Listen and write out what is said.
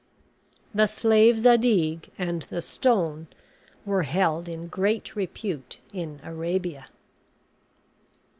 The slave Zadig and the stone were held in great repute in Arabia.